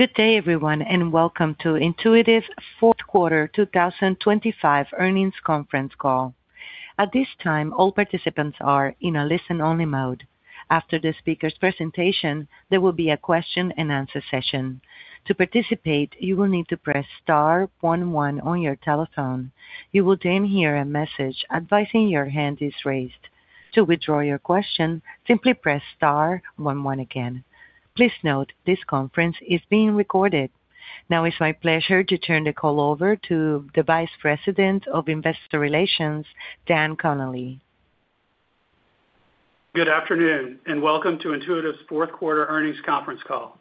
Good day, everyone, and welcome to Intuitive fourth quarter 2025 earnings conference call. At this time, all participants are in a listen-only mode. After the speaker's presentation, there will be a question-and-answer session. To participate, you will need to press star one one on your telephone. You will then hear a message advising your hand is raised. To withdraw your question, simply press star one one again. Please note this conference is being recorded. Now, it's my pleasure to turn the call over to the Vice President of Investor Relations, Dan Connally. Good afternoon, and welcome to Intuitive's fourth quarter earnings conference call.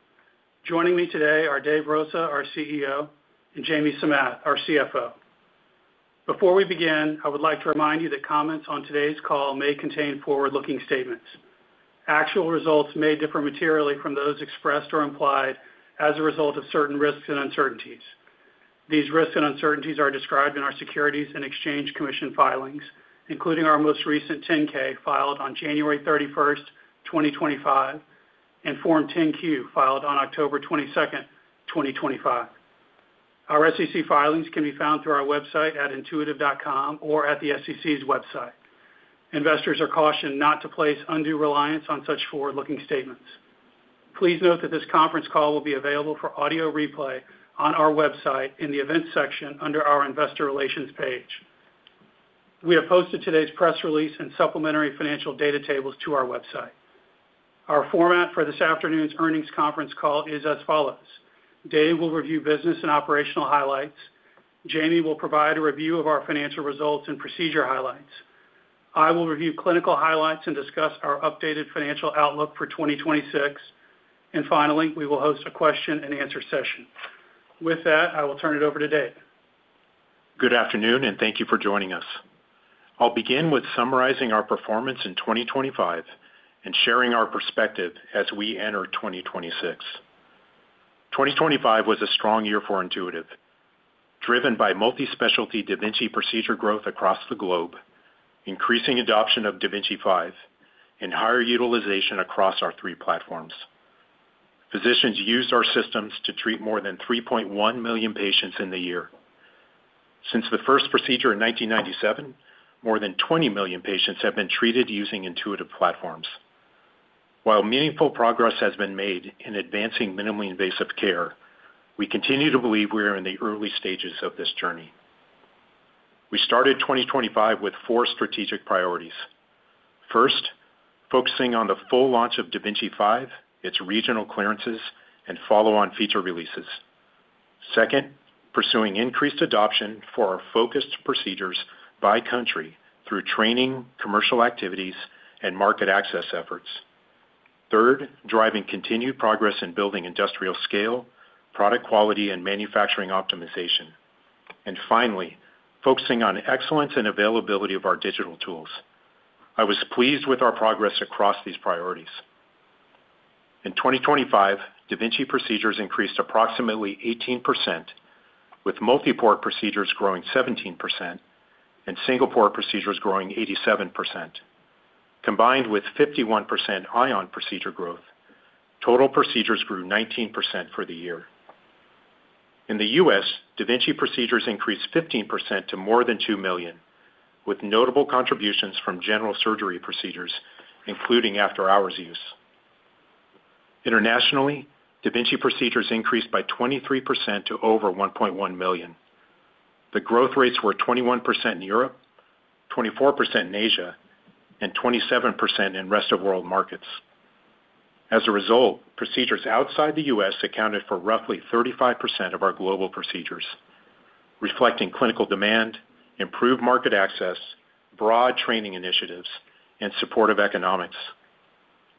Joining me today are Dave Rosa, our CEO, and Jamie Samath, our CFO. Before we begin, I would like to remind you that comments on today's call may contain forward-looking statements. Actual results may differ materially from those expressed or implied as a result of certain risks and uncertainties. These risks and uncertainties are described in our Securities and Exchange Commission filings, including our most recent 10-K filed on January 31st, 2025, and Form 10-Q filed on October 22nd, 2025. Our SEC filings can be found through our website at intuitive.com or at the SEC's website. Investors are cautioned not to place undue reliance on such forward-looking statements. Please note that this conference call will be available for audio replay on our website in the events section under our Investor Relations page. We have posted today's press release and supplementary financial data tables to our website. Our format for this afternoon's earnings conference call is as follows. Dave will review business and operational highlights. Jamie will provide a review of our financial results and procedure highlights. I will review clinical highlights and discuss our updated financial outlook for 2026, and finally, we will host a question-and-answer session. With that, I will turn it over to Dave. Good afternoon, and thank you for joining us. I'll begin with summarizing our performance in 2025 and sharing our perspective as we enter 2026. 2025 was a strong year for Intuitive, driven by multi-specialty da Vinci procedure growth across the globe, increasing adoption of da Vinci 5, and higher utilization across our three platforms. Physicians used our systems to treat more than 3.1 million patients in the year. Since the first procedure in 1997, more than 20 million patients have been treated using Intuitive platforms. While meaningful progress has been made in advancing minimally invasive care, we continue to believe we are in the early stages of this journey. We started 2025 with four strategic priorities. First, focusing on the full launch of da Vinci 5, its regional clearances, and follow-on feature releases. Second, pursuing increased adoption for our focused procedures by country through training, commercial activities, and market access efforts. Third, driving continued progress in building industrial scale, product quality, and manufacturing optimization. And finally, focusing on excellence and availability of our digital tools. I was pleased with our progress across these priorities. In 2025, da Vinci procedures increased approximately 18%, with multi-port procedures growing 17% and single-port procedures growing 87%. Combined with 51% Ion procedure growth, total procedures grew 19% for the year. In the U.S., da Vinci procedures increased 15% to more than two million, with notable contributions from general surgery procedures, including after-hours use. Internationally, da Vinci procedures increased by 23% to over 1.1 million. The growth rates were 21% in Europe, 24% in Asia, and 27% in rest of world markets. As a result, procedures outside the U.S. accounted for roughly 35% of our global procedures, reflecting clinical demand, improved market access, broad training initiatives, and supportive economics.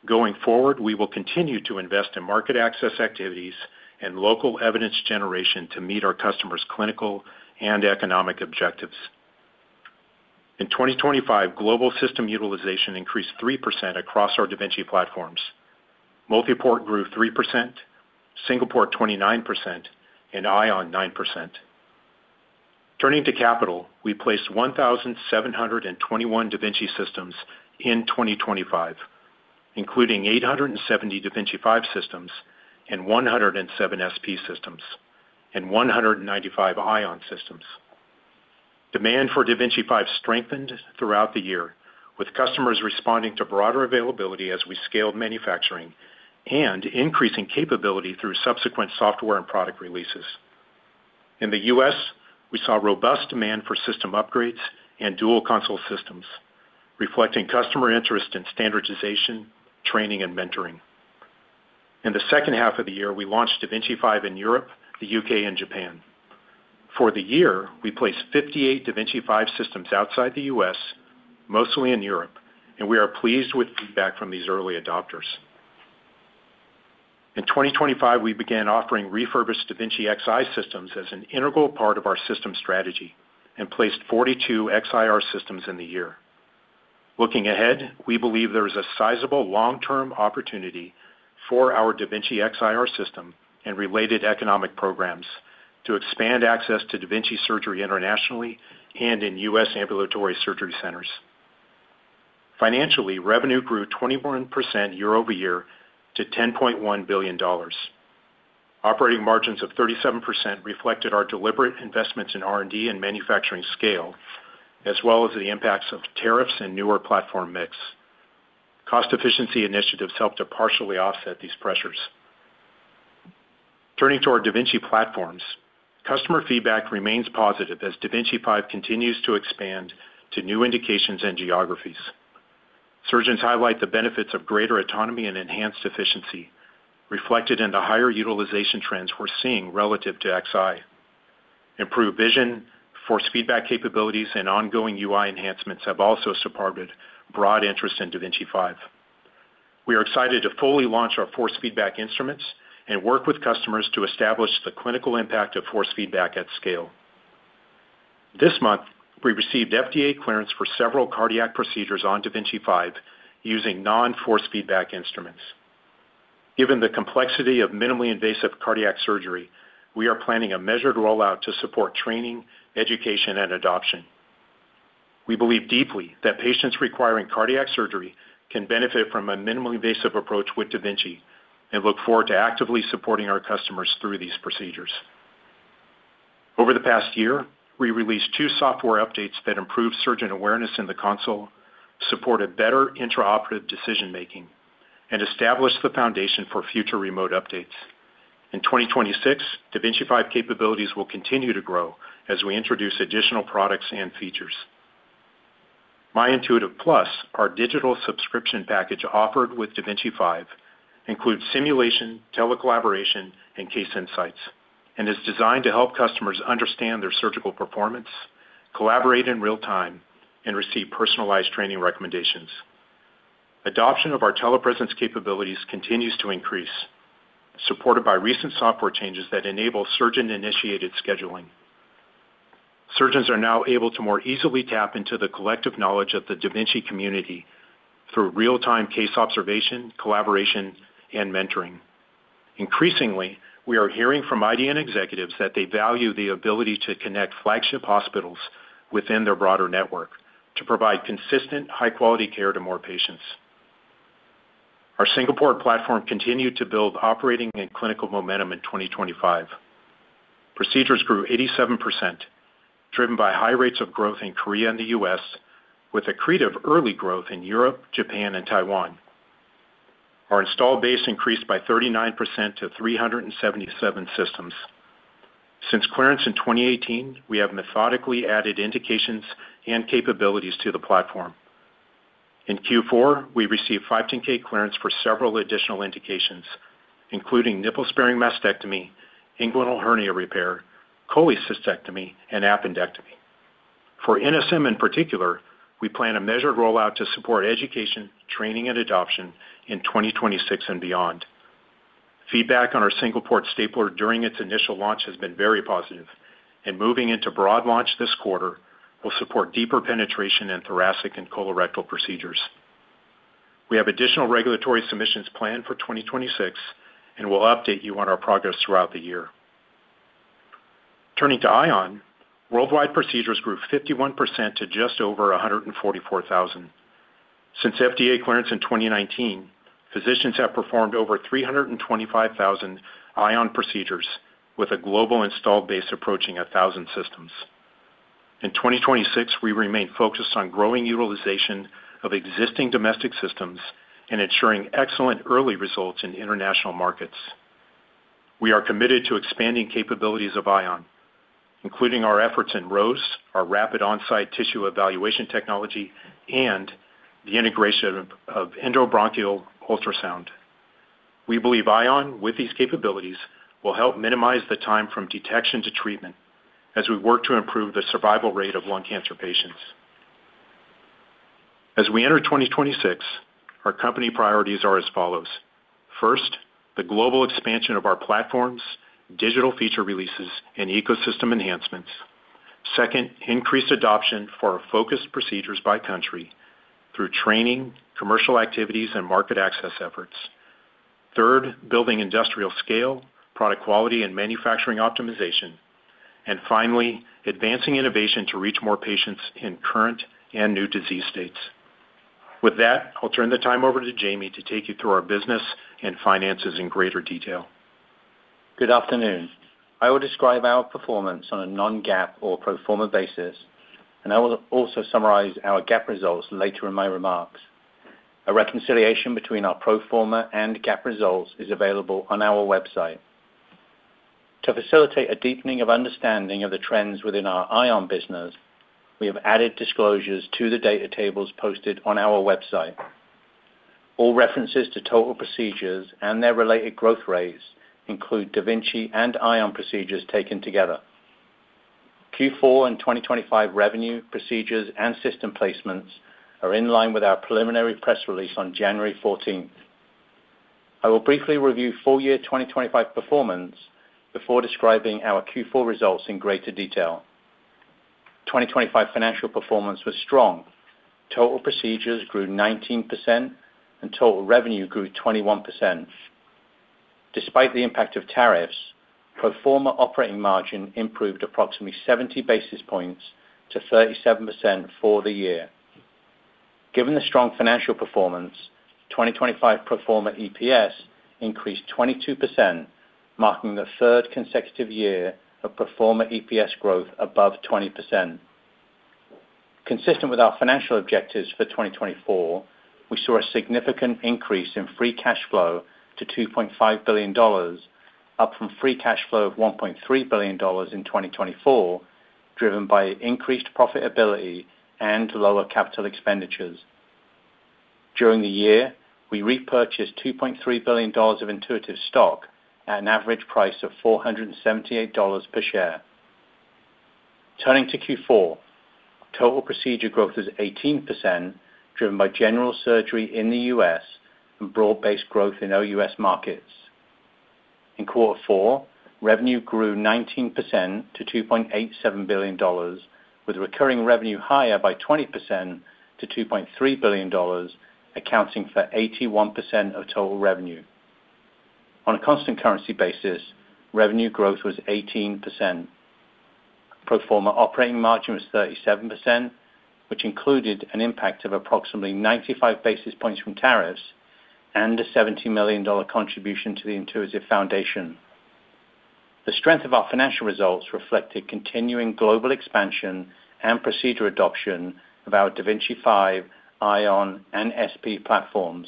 Going forward, we will continue to invest in market access activities and local evidence generation to meet our customers' clinical and economic objectives. In 2025, global system utilization increased 3% across our da Vinci platforms. Multi-port grew 3%, single-port 29%, and Ion 9%. Turning to capital, we placed 1,721 da Vinci systems in 2025, including 870 da Vinci 5 systems, 107 SP systems, and 195 Ion systems. Demand for da Vinci 5 strengthened throughout the year, with customers responding to broader availability as we scaled manufacturing and increasing capability through subsequent software and product releases. In the U.S., we saw robust demand for system upgrades and dual-console systems, reflecting customer interest in standardization, training, and mentoring. In the second half of the year, we launched da Vinci 5 in Europe, the U.K., and Japan. For the year, we placed 58 da Vinci 5 systems outside the U.S., mostly in Europe, and we are pleased with feedback from these early adopters. In 2025, we began offering refurbished da Vinci Xi systems as an integral part of our system strategy and placed 42 da Vinci XIR systems in the year. Looking ahead, we believe there is a sizable long-term opportunity for our da Vinci XIR system and related economic programs to expand access to da Vinci surgery internationally and in U.S. ambulatory surgery centers. Financially, revenue grew 21% year-over-year to $10.1 billion. Operating margins of 37% reflected our deliberate investments in R&D and manufacturing scale, as well as the impacts of tariffs and newer platform mix. Cost efficiency initiatives helped to partially offset these pressures. Turning to our da Vinci platforms, customer feedback remains positive as da Vinci 5 continues to expand to new indications and geographies. Surgeons highlight the benefits of greater autonomy and enhanced efficiency, reflected in the higher utilization trends we're seeing relative to Xi. Improved vision, force feedback capabilities, and ongoing UI enhancements have also supported broad interest in da Vinci 5. We are excited to fully launch our force feedback instruments and work with customers to establish the clinical impact of force feedback at scale. This month, we received FDA clearance for several cardiac procedures on da Vinci 5 using non-force feedback instruments. Given the complexity of minimally invasive cardiac surgery, we are planning a measured rollout to support training, education, and adoption. We believe deeply that patients requiring cardiac surgery can benefit from a minimally invasive approach with da Vinci and look forward to actively supporting our customers through these procedures. Over the past year, we released two software updates that improved surgeon awareness in the console, supported better intraoperative decision-making, and established the foundation for future remote updates. In 2026, da Vinci 5 capabilities will continue to grow as we introduce additional products and features. My Intuitive Plus, our digital subscription package offered with da Vinci 5, includes simulation, telecollaboration, and Case Insights, and is designed to help customers understand their surgical performance, collaborate in real time, and receive personalized training recommendations. Adoption of our telepresence capabilities continues to increase, supported by recent software changes that enable surgeon-initiated scheduling. Surgeons are now able to more easily tap into the collective knowledge of the da Vinci community through real-time case observation, collaboration, and mentoring. Increasingly, we are hearing from IDN executives that they value the ability to connect flagship hospitals within their broader network to provide consistent, high-quality care to more patients. Our single-port platform continued to build operating and clinical momentum in 2025. Procedures grew 87%, driven by high rates of growth in Korea and the U.S., with credible early growth in Europe, Japan, and Taiwan. Our installed base increased by 39% to 377 systems. Since clearance in 2018, we have methodically added indications and capabilities to the platform. In Q4, we received 510(k) clearance for several additional indications, including nipple-sparing mastectomy, inguinal hernia repair, cholecystectomy, and appendectomy. For NSM in particular, we plan a measured rollout to support education, training, and adoption in 2026 and beyond. Feedback on our single-port stapler during its initial launch has been very positive, and moving into broad launch this quarter will support deeper penetration in thoracic and colorectal procedures. We have additional regulatory submissions planned for 2026, and we'll update you on our progress throughout the year. Turning to Ion, worldwide procedures grew 51% to just over 144,000. Since FDA clearance in 2019, physicians have performed over 325,000 Ion procedures, with a global installed base approaching 1,000 systems. In 2026, we remain focused on growing utilization of existing domestic systems and ensuring excellent early results in international markets. We are committed to expanding capabilities of Ion, including our efforts in ROSE, our rapid on-site tissue evaluation technology, and the integration of endobronchial ultrasound. We believe Ion, with these capabilities, will help minimize the time from detection to treatment as we work to improve the survival rate of lung cancer patients. As we enter 2026, our company priorities are as follows. First, the global expansion of our platforms, digital feature releases, and ecosystem enhancements. Second, increased adoption for focused procedures by country through training, commercial activities, and market access efforts. Third, building industrial scale, product quality, and manufacturing optimization, and finally, advancing innovation to reach more patients in current and new disease states. With that, I'll turn the time over to Jamie to take you through our business and finances in greater detail. Good afternoon. I will describe our performance on a non-GAAP or pro forma basis, and I will also summarize our GAAP results later in my remarks. A reconciliation between our pro forma and GAAP results is available on our website. To facilitate a deepening of understanding of the trends within our Ion business, we have added disclosures to the data tables posted on our website. All references to total procedures and their related growth rates include da Vinci and Ion procedures taken together. Q4 and 2025 revenue, procedures, and system placements are in line with our preliminary press release on January 14th. I will briefly review full-year 2025 performance before describing our Q4 results in greater detail. 2025 financial performance was strong. Total procedures grew 19%, and total revenue grew 21%. Despite the impact of tariffs, pro forma operating margin improved approximately 70 basis points to 37% for the year. Given the strong financial performance, 2025 pro forma EPS increased 22%, marking the third consecutive year of pro forma EPS growth above 20%. Consistent with our financial objectives for 2024, we saw a significant increase in free cash flow to $2.5 billion, up from free cash flow of $1.3 billion in 2024, driven by increased profitability and lower capital expenditures. During the year, we repurchased $2.3 billion of Intuitive stock at an average price of $478 per share. Turning to Q4, total procedure growth was 18%, driven by general surgery in the U.S. and broad-based growth in OUS markets. In quarter four, revenue grew 19% to $2.87 billion, with recurring revenue higher by 20% to $2.3 billion, accounting for 81% of total revenue. On a constant currency basis, revenue growth was 18%. Pro forma operating margin was 37%, which included an impact of approximately 95 basis points from tariffs and a $70 million contribution to the Intuitive Foundation. The strength of our financial results reflected continuing global expansion and procedure adoption of our da Vinci 5, Ion, and SP platforms.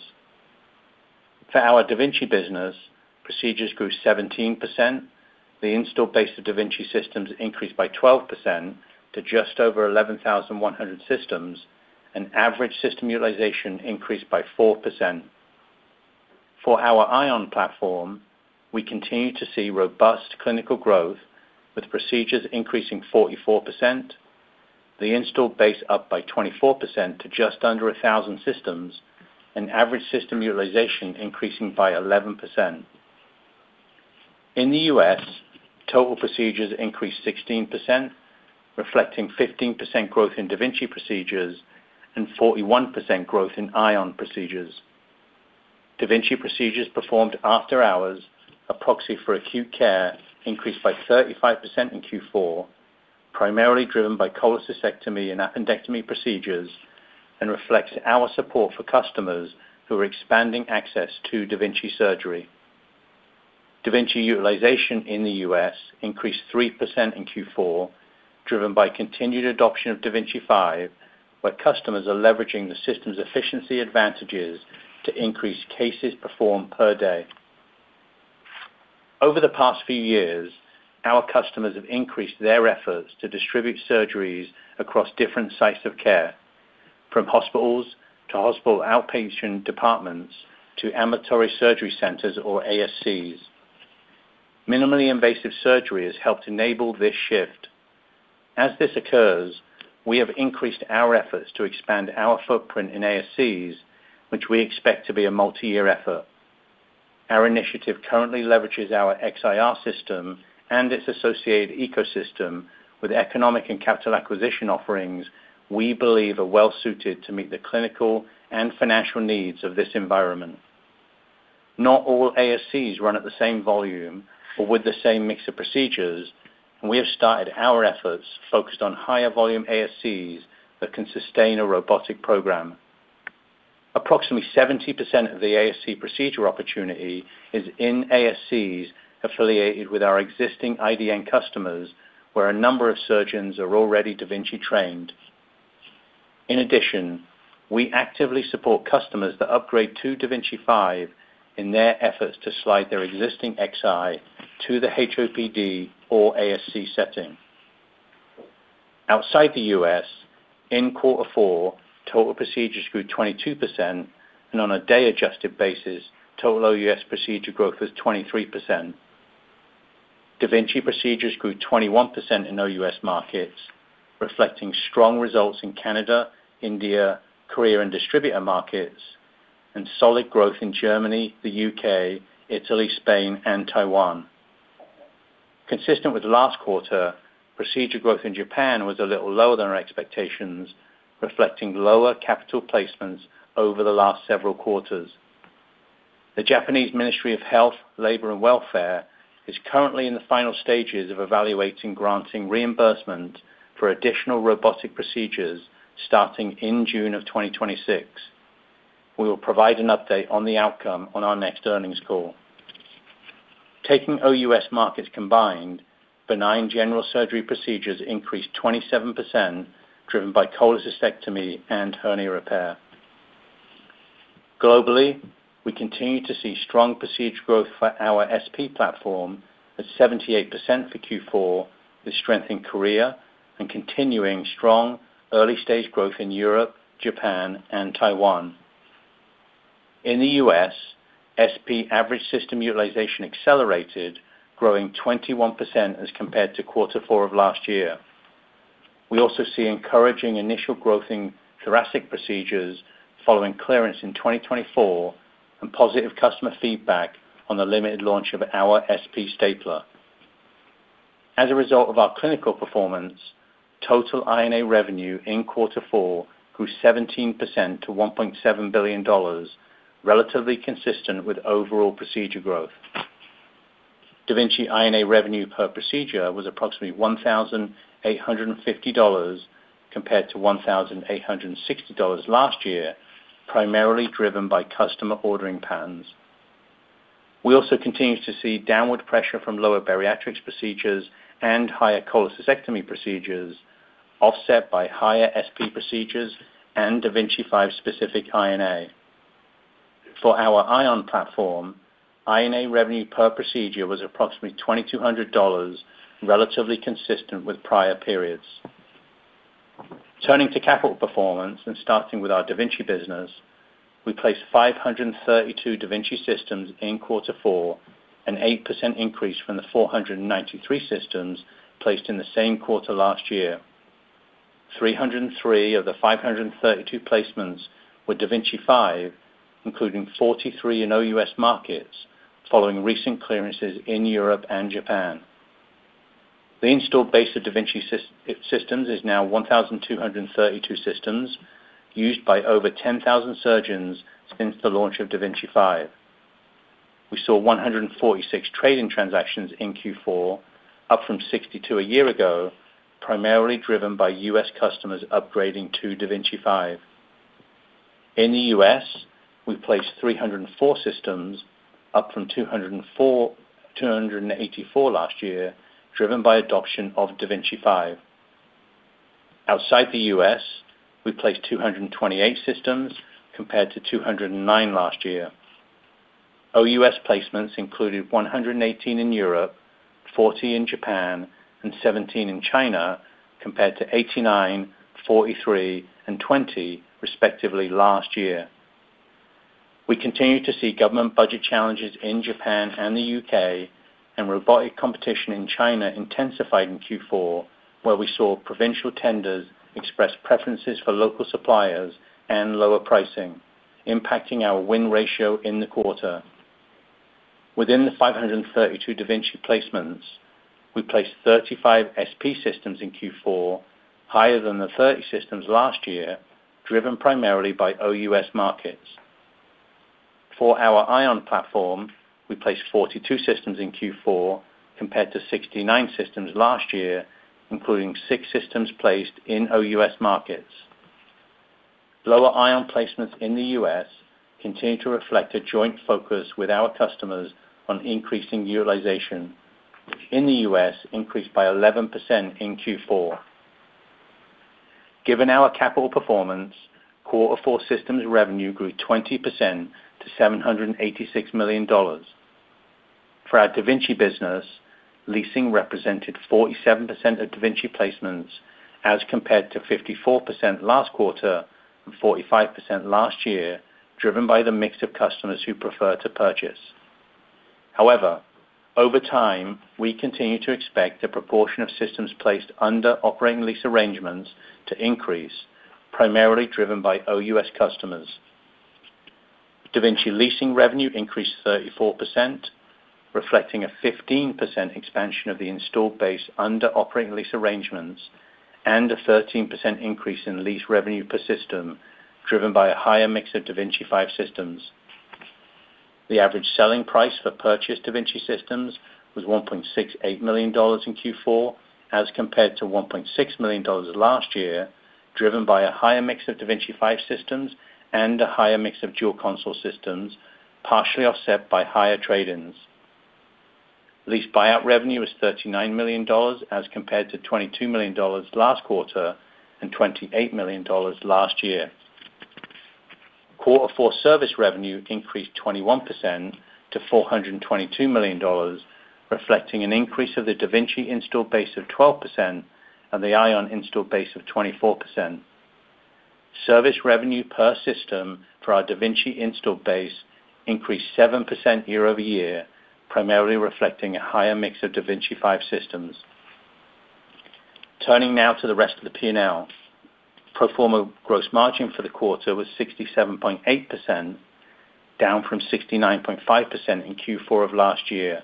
For our da Vinci business, procedures grew 17%. The installed base of da Vinci systems increased by 12% to just over 11,100 systems, and average system utilization increased by 4%. For our Ion platform, we continue to see robust clinical growth, with procedures increasing 44%, the installed base up by 24% to just under 1,000 systems, and average system utilization increasing by 11%. In the U.S., total procedures increased 16%, reflecting 15% growth in da Vinci procedures and 41% growth in Ion procedures. da Vinci procedures performed after hours, a proxy for acute care increased by 35% in Q4, primarily driven by cholecystectomy and appendectomy procedures, and reflects our support for customers who are expanding access to da Vinci surgery. da Vinci utilization in the U.S. increased 3% in Q4, driven by continued adoption of da Vinci 5, where customers are leveraging the system's efficiency advantages to increase cases performed per day. Over the past few years, our customers have increased their efforts to distribute surgeries across different sites of care, from hospitals to hospital outpatient departments to ambulatory surgery centers or ASCs. Minimally invasive surgery has helped enable this shift. As this occurs, we have increased our efforts to expand our footprint in ASCs, which we expect to be a multi-year effort. Our initiative currently leverages our XIR system and its associated ecosystem with economic and capital acquisition offerings we believe are well-suited to meet the clinical and financial needs of this environment. Not all ASCs run at the same volume or with the same mix of procedures, and we have started our efforts focused on higher volume ASCs that can sustain a robotic program. Approximately 70% of the ASC procedure opportunity is in ASCs affiliated with our existing IDN customers, where a number of surgeons are already da Vinci trained. In addition, we actively support customers that upgrade to da Vinci 5 in their efforts to slide their existing Xi to the HOPD or ASC setting. Outside the U.S., in quarter four, total procedures grew 22%, and on a day-adjusted basis, total OUS procedure growth was 23%. da Vinci procedures grew 21% in OUS markets, reflecting strong results in Canada, India, Korea, and distributor markets, and solid growth in Germany, the U.K., Italy, Spain, and Taiwan. Consistent with last quarter, procedure growth in Japan was a little lower than our expectations, reflecting lower capital placements over the last several quarters. The Japanese Ministry of Health, Labour, and Welfare is currently in the final stages of evaluating granting reimbursement for additional robotic procedures starting in June of 2026. We will provide an update on the outcome on our next earnings call. Taking OUS markets combined, benign general surgery procedures increased 27%, driven by cholecystectomy and hernia repair. Globally, we continue to see strong procedure growth for our SP platform at 78% for Q4, with strength in Korea and continuing strong early-stage growth in Europe, Japan, and Taiwan. In the U.S., SP average system utilization accelerated, growing 21% as compared to quarter four of last year. We also see encouraging initial growth in thoracic procedures following clearance in 2024 and positive customer feedback on the limited launch of our SP stapler. As a result of our clinical performance, total I&A revenue in quarter four grew 17% to $1.7 billion, relatively consistent with overall procedure growth. da Vinci I&A revenue per procedure was approximately $1,850 compared to $1,860 last year, primarily driven by customer ordering patterns. We also continue to see downward pressure from lower bariatric procedures and higher cholecystectomy procedures, offset by higher SP procedures and da Vinci 5-specific I&A. For our Ion platform, I&A revenue per procedure was approximately $2,200, relatively consistent with prior periods. Turning to capital performance and starting with our da Vinci business, we placed 532 da Vinci systems in quarter four, an 8% increase from the 493 systems placed in the same quarter last year. 303 of the 532 placements were da Vinci 5, including 43 in OUS markets, following recent clearances in Europe and Japan. The installed base of da Vinci systems is now 1,232 systems, used by over 10,000 surgeons since the launch of da Vinci 5. We saw 146 trade-in transactions in Q4, up from 62 a year ago, primarily driven by U.S. customers upgrading to da Vinci 5. In the U.S., we placed 304 systems, up from 204 to 284 last year, driven by adoption of da Vinci 5. Outside the U.S., we placed 228 systems compared to 209 last year. OUS placements included 118 in Europe, 40 in Japan, and 17 in China, compared to 89, 43, and 20, respectively, last year. We continue to see government budget challenges in Japan and the U.K., and robotic competition in China intensified in Q4, where we saw provincial tenders express preferences for local suppliers and lower pricing, impacting our win ratio in the quarter. Within the 532 da Vinci placements, we placed 35 SP systems in Q4, higher than the 30 systems last year, driven primarily by OUS markets. For our Ion platform, we placed 42 systems in Q4, compared to 69 systems last year, including six systems placed in OUS markets. Lower Ion placements in the U.S. continue to reflect a joint focus with our customers on increasing utilization. In the U.S., Ion utilization increased by 11% in Q4. Given our capital performance, quarter four systems revenue grew 20% to $786 million. For our da Vinci business, leasing represented 47% of da Vinci placements, as compared to 54% last quarter and 45% last year, driven by the mix of customers who prefer to purchase. However, over time, we continue to expect a proportion of systems placed under operating lease arrangements to increase, primarily driven by OUS customers. da Vinci leasing revenue increased 34%, reflecting a 15% expansion of the installed base under operating lease arrangements and a 13% increase in lease revenue per system, driven by a higher mix of da Vinci 5 systems. The average selling price for purchased da Vinci systems was $1.68 million in Q4, as compared to $1.6 million last year, driven by a higher mix of da Vinci 5 systems and a higher mix of dual console systems, partially offset by higher trade-ins. Lease buyout revenue was $39 million, as compared to $22 million last quarter and $28 million last year. Quarter four service revenue increased 21% to $422 million, reflecting an increase of the da Vinci installed base of 12% and the Ion installed base of 24%. Service revenue per system for our da Vinci installed base increased 7% year-over-year, primarily reflecting a higher mix of da Vinci 5 systems. Turning now to the rest of the P&L, pro forma gross margin for the quarter was 67.8%, down from 69.5% in Q4 of last year.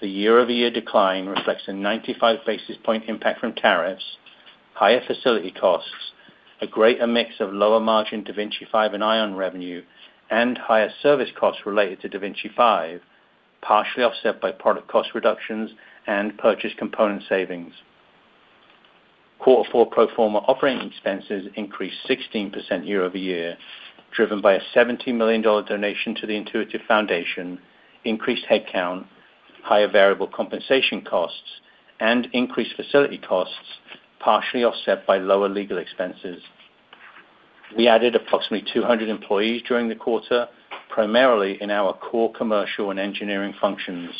The year-over-year decline reflects a 95 basis point impact from tariffs, higher facility costs, a greater mix of lower margin da Vinci 5 and Ion revenue, and higher service costs related to da Vinci 5, partially offset by product cost reductions and purchase component savings. Quarter four pro forma operating expenses increased 16% year-over-year, driven by a $70 million donation to the Intuitive Foundation, increased headcount, higher variable compensation costs, and increased facility costs, partially offset by lower legal expenses. We added approximately 200 employees during the quarter, primarily in our core commercial and engineering functions.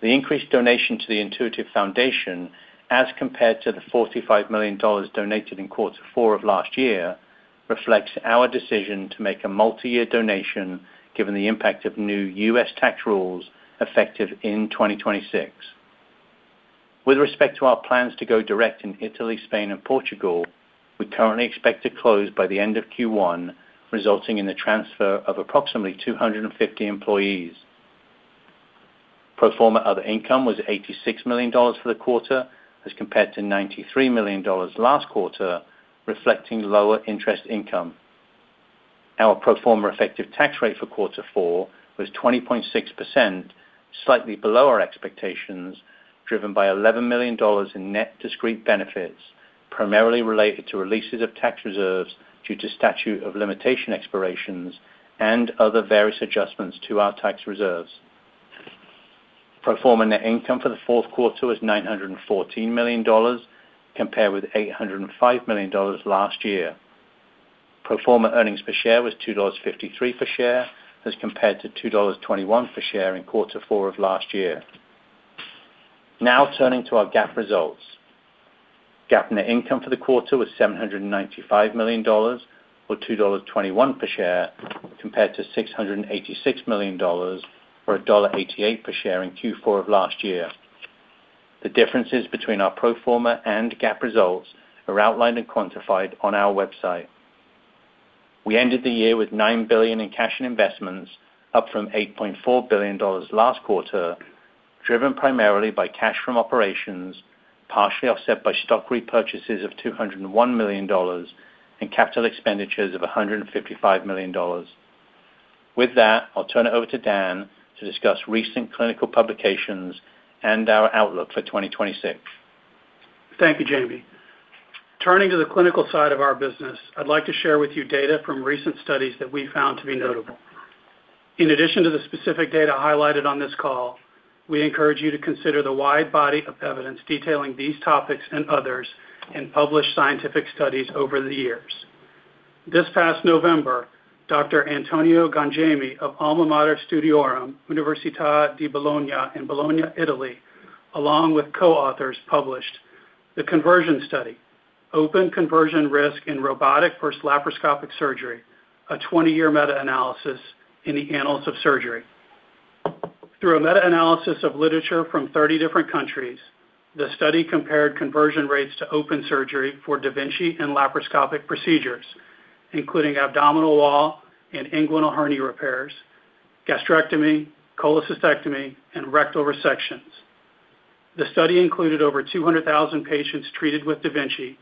The increased donation to the Intuitive Foundation, as compared to the $45 million donated in quarter four of last year, reflects our decision to make a multi-year donation, given the impact of new U.S. tax rules effective in 2026. With respect to our plans to go direct in Italy, Spain, and Portugal, we currently expect to close by the end of Q1, resulting in the transfer of approximately 250 employees. Pro forma other income was $86 million for the quarter, as compared to $93 million last quarter, reflecting lower interest income. Our pro forma effective tax rate for quarter four was 20.6%, slightly below our expectations, driven by $11 million in net discrete benefits, primarily related to releases of tax reserves due to statute of limitation expirations and other various adjustments to our tax reserves. Pro forma net income for the fourth quarter was $914 million, compared with $805 million last year. Pro forma earnings per share was $2.53 per share, as compared to $2.21 per share in quarter four of last year. Now turning to our GAAP results. GAAP net income for the quarter was $795 million, or $2.21 per share, compared to $686 million, or $1.88 per share in Q4 of last year. The differences between our pro forma and GAAP results are outlined and quantified on our website. We ended the year with $9 billion in cash and investments, up from $8.4 billion last quarter, driven primarily by cash from operations, partially offset by stock repurchases of $201 million and capital expenditures of $155 million. With that, I'll turn it over to Dan to discuss recent clinical publications and our outlook for 2026. Thank you, Jamie. Turning to the clinical side of our business, I'd like to share with you data from recent studies that we found to be notable. In addition to the specific data highlighted on this call, we encourage you to consider the wide body of evidence detailing these topics and others in published scientific studies over the years. This past November, Dr. Antonio Gangemi of Alma Mater Studiorum – Università di Bologna in Bologna, Italy, along with co-authors, published The Conversion Study: Open Conversion Risk in Robotic vs. Laparoscopic Surgery, a 20-year meta-analysis in the Annals of Surgery. Through a meta-analysis of literature from 30 different countries, the study compared conversion rates to open surgery for da Vinci and laparoscopic procedures, including abdominal wall and inguinal hernia repairs, gastrectomy, cholecystectomy, and rectal resections. The study included over 200,000 patients treated with da Vinci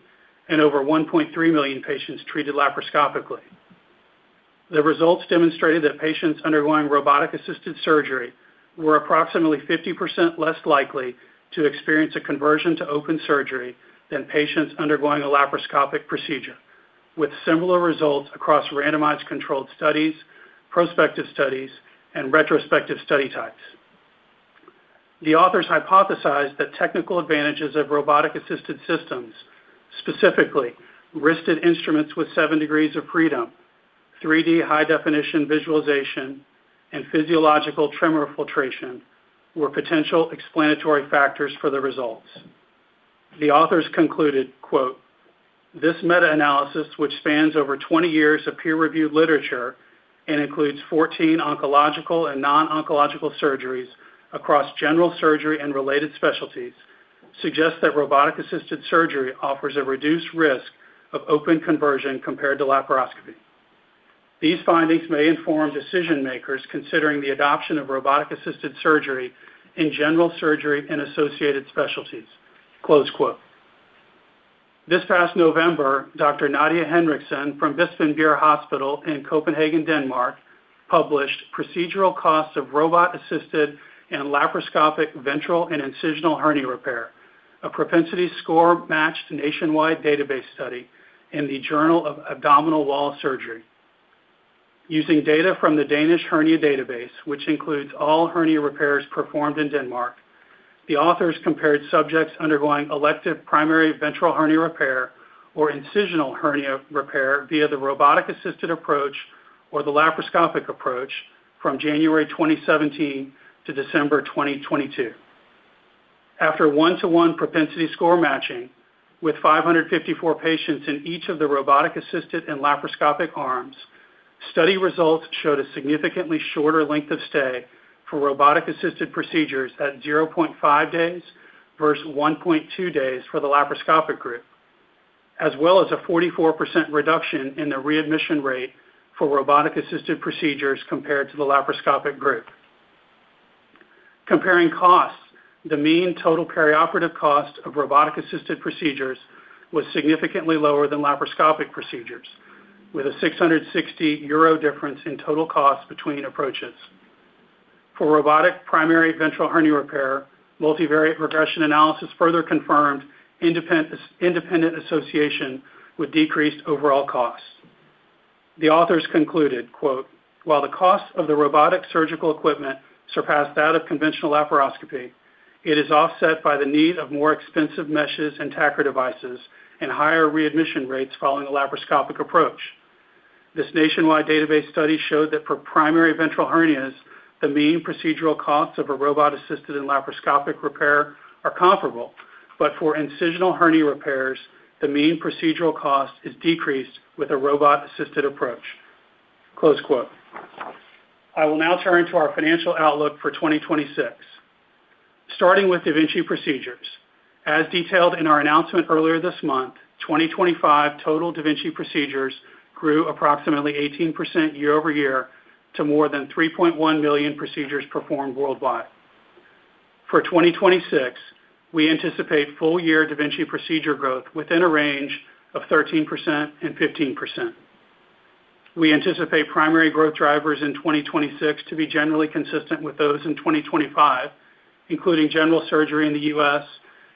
and over 1.3 million patients treated laparoscopically. The results demonstrated that patients undergoing robotic-assisted surgery were approximately 50% less likely to experience a conversion to open surgery than patients undergoing a laparoscopic procedure, with similar results across randomized controlled studies, prospective studies, and retrospective study types. The authors hypothesized that technical advantages of robotic-assisted systems, specifically wristed instruments with seven degrees of freedom, 3D high-definition visualization, and physiological tremor filtration, were potential explanatory factors for the results. The authors concluded, "This meta-analysis, which spans over 20 years of peer-reviewed literature and includes 14 oncological and non-oncological surgeries across general surgery and related specialties, suggests that robotic-assisted surgery offers a reduced risk of open conversion compared to laparoscopy. These findings may inform decision-makers considering the adoption of robotic-assisted surgery in general surgery and associated specialties." This past November, Dr. Nadia Henriksen from Bispebjerg Hospital in Copenhagen, Denmark, published Procedural Costs of Robot-Assisted and Laparoscopic Ventral and Incisional Hernia Repair, a propensity-score-matched nationwide database study in the Journal of Abdominal Wall Surgery. Using data from the Danish Hernia Database, which includes all hernia repairs performed in Denmark, the authors compared subjects undergoing elective primary ventral hernia repair or incisional hernia repair via the robotic-assisted approach or the laparoscopic approach from January 2017 to December 2022. After one-to-one propensity-score matching with 554 patients in each of the robotic-assisted and laparoscopic arms, study results showed a significantly shorter length of stay for robotic-assisted procedures at 0.5 days versus 1.2 days for the laparoscopic group, as well as a 44% reduction in the readmission rate for robotic-assisted procedures compared to the laparoscopic group. Comparing costs, the mean total perioperative cost of robotic-assisted procedures was significantly lower than laparoscopic procedures, with a 660 euro difference in total costs between approaches. For robotic primary ventral hernia repair, multivariate regression analysis further confirmed independent association with decreased overall costs. The authors concluded, "While the cost of the robotic surgical equipment surpassed that of conventional laparoscopy, it is offset by the need of more expensive meshes and tacker devices and higher readmission rates following a laparoscopic approach. This nationwide database study showed that for primary ventral hernias, the mean procedural costs of a robot-assisted and laparoscopic repair are comparable, but for incisional hernia repairs, the mean procedural cost is decreased with a robot-assisted approach." I will now turn to our financial outlook for 2026. Starting with da Vinci procedures, as detailed in our announcement earlier this month, 2025 total da Vinci procedures grew approximately 18% year-over-year to more than 3.1 million procedures performed worldwide. For 2026, we anticipate full-year da Vinci procedure growth within a range of 13%-15%. We anticipate primary growth drivers in 2026 to be generally consistent with those in 2025, including general surgery in the U.S.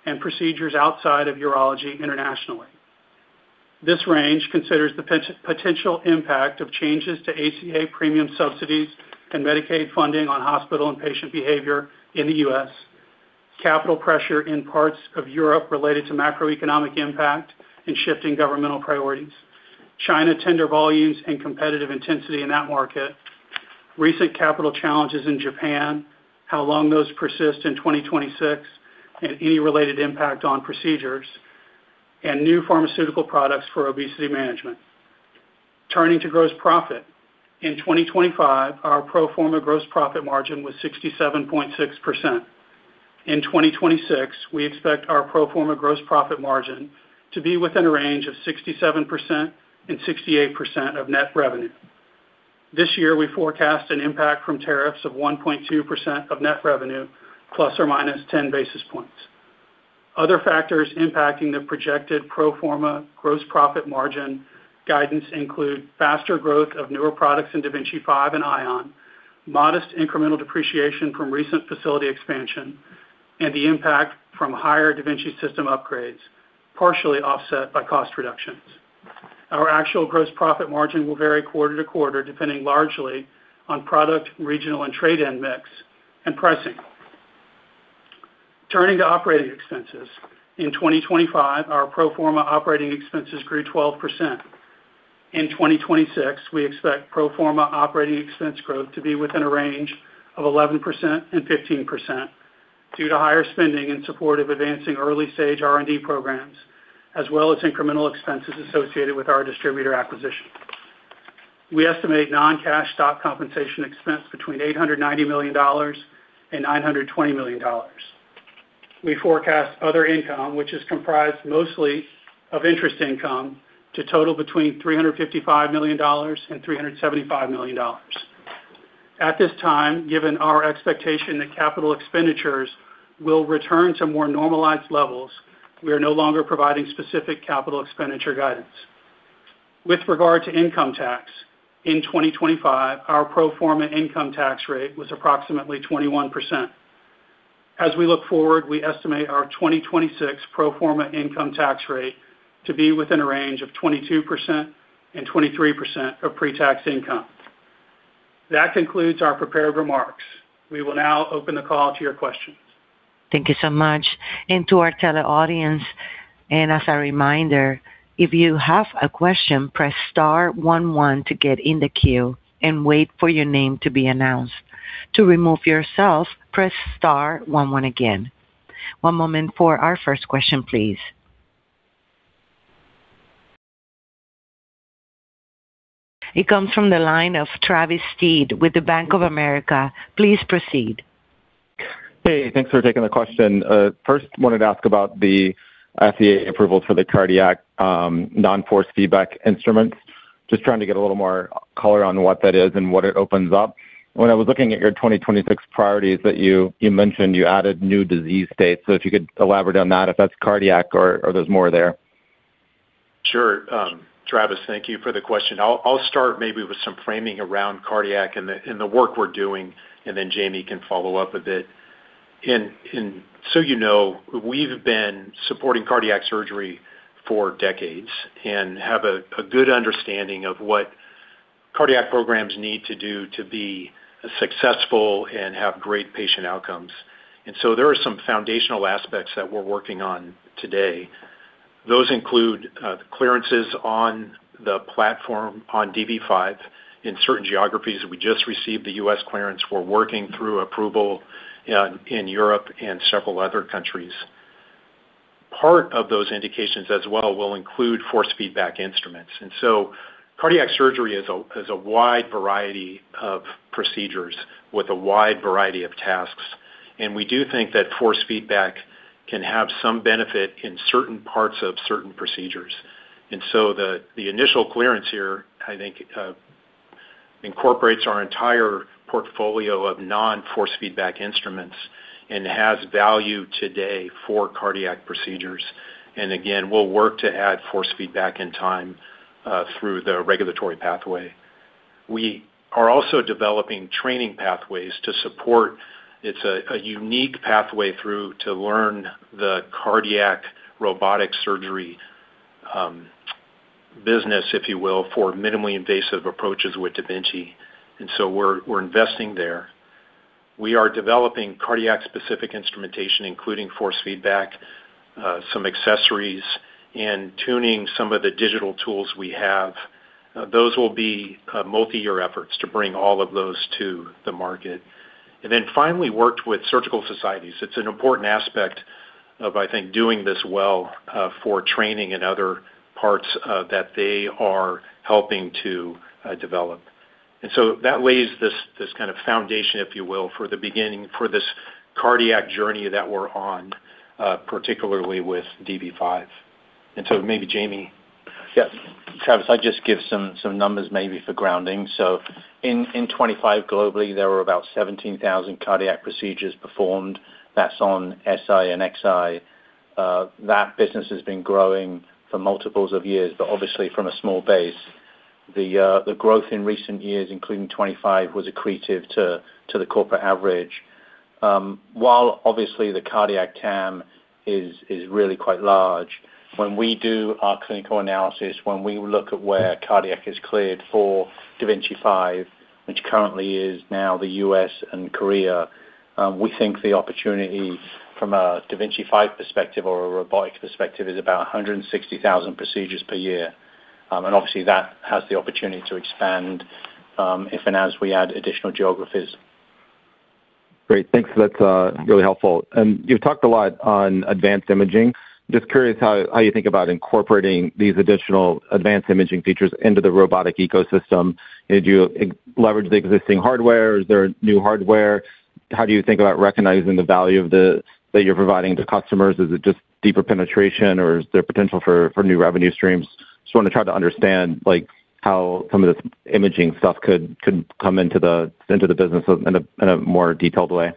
and procedures outside of urology internationally. This range considers the potential impact of changes to ACA premium subsidies and Medicaid funding on hospital and patient behavior in the U.S., capital pressure in parts of Europe related to macroeconomic impact and shifting governmental priorities, China tender volumes and competitive intensity in that market, recent capital challenges in Japan, how long those persist in 2026, and any related impact on procedures, and new pharmaceutical products for obesity management. Turning to gross profit, in 2025, our pro forma gross profit margin was 67.6%. In 2026, we expect our pro forma gross profit margin to be within a range of 67% and 68% of net revenue. This year, we forecast an impact from tariffs of 1.2% of net revenue, ±10 basis points. Other factors impacting the projected pro forma gross profit margin guidance include faster growth of newer products in da Vinci 5 and Ion, modest incremental depreciation from recent facility expansion, and the impact from higher da Vinci system upgrades, partially offset by cost reductions. Our actual gross profit margin will vary quarter to quarter, depending largely on product, regional, and trade-in mix, and pricing. Turning to operating expenses, in 2025, our pro forma operating expenses grew 12%. In 2026, we expect pro forma operating expense growth to be within a range of 11%-15% due to higher spending in support of advancing early-stage R&D programs, as well as incremental expenses associated with our distributor acquisition. We estimate non-cash stock compensation expense between $890 million-$920 million. We forecast other income, which is comprised mostly of interest income, to total between $355 million-$375 million. At this time, given our expectation that capital expenditures will return to more normalized levels, we are no longer providing specific capital expenditure guidance. With regard to income tax, in 2025, our pro forma income tax rate was approximately 21%. As we look forward, we estimate our 2026 pro forma income tax rate to be within a range of 22%-23% of pre-tax income. That concludes our prepared remarks. We will now open the call to your questions. Thank you so much. And to our tele audience, and as a reminder, if you have a question, press star one one to get in the queue and wait for your name to be announced. To remove yourself, press star one one again. One moment for our first question, please. It comes from the line of Travis Steed with Bank of America. Please proceed. Hey, thanks for taking the question. First, I wanted to ask about the FDA approvals for the cardiac non-force feedback instruments. Just trying to get a little more color on what that is and what it opens up. When I was looking at your 2026 priorities that you mentioned, you added new disease states. So if you could elaborate on that, if that's cardiac or there's more there. Sure. Travis, thank you for the question. I'll start maybe with some framing around cardiac and the work we're doing, and then Jamie can follow up a bit. And so you know, we've been supporting cardiac surgery for decades and have a good understanding of what cardiac programs need to do to be successful and have great patient outcomes. And so there are some foundational aspects that we're working on today. Those include clearances on the platform on DV5. In certain geographies, we just received the U.S. clearance. We're working through approval in Europe and several other countries. Part of those indications as well will include force feedback instruments. And so cardiac surgery is a wide variety of procedures with a wide variety of tasks. And we do think that force feedback can have some benefit in certain parts of certain procedures. And so the initial clearance here, I think, incorporates our entire portfolio of non-force feedback instruments and has value today for cardiac procedures. And again, we'll work to add force feedback in time through the regulatory pathway. We are also developing training pathways to support. It's a unique pathway through to learn the cardiac robotic surgery business, if you will, for minimally invasive approaches with da Vinci. And so we're investing there. We are developing cardiac-specific instrumentation, including force feedback, some accessories, and tuning some of the digital tools we have. Those will be multi-year efforts to bring all of those to the market. And then finally, worked with surgical societies. It's an important aspect of, I think, doing this well for training and other parts that they are helping to develop. And so that lays this kind of foundation, if you will, for the beginning for this cardiac journey that we're on, particularly with DV5. And so maybe Jamie. Yes. Travis, I'll just give some numbers maybe for grounding. So in 2025, globally, there were about 17,000 cardiac procedures performed. That's on SP and Xi. That business has been growing for multiples of years, but obviously from a small base. The growth in recent years, including 2025, was accretive to the corporate average. While obviously the cardiac TAM is really quite large, when we do our clinical analysis, when we look at where cardiac is cleared for da Vinci 5, which currently is now the U.S. and Korea, we think the opportunity from a da Vinci 5 perspective or a robotic perspective is about 160,000 procedures per year. And obviously, that has the opportunity to expand if and as we add additional geographies. Great. Thanks. That's really helpful. And you've talked a lot on advanced imaging. I'm just curious how you think about incorporating these additional advanced imaging features into the robotic ecosystem. Did you leverage the existing hardware? Is there new hardware? How do you think about recognizing the value that you're providing to customers? Is it just deeper penetration or is there potential for new revenue streams? Just want to try to understand how some of this imaging stuff could come into the business in a more detailed way.